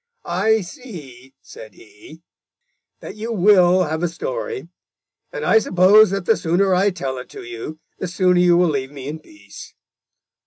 "I see," said he, "that you will have a story, and I suppose that the sooner I tell it to you, the sooner you will leave me in peace.